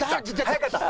早かった？